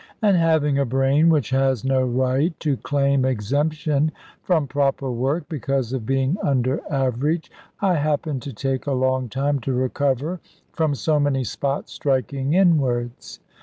And having a brain which has no right to claim exemption from proper work, because of being under average, I happened to take a long time to recover from so many spots striking inwards.